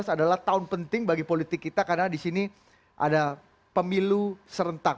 dua ribu adalah tahun penting bagi politik kita karena di sini ada pemilu serentak